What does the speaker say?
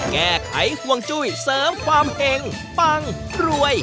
แก้ไขห่วงจุ้ยเสริมความเห็งปังรวย